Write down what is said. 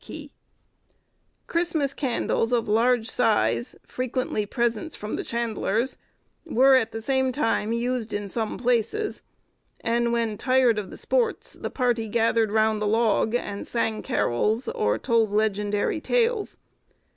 Christmas candles of large size, frequently presents from the chandlers, were at the same time used in some places; and, when tired of the sports, the party gathered round the log, and sang carols, or told legendary tales.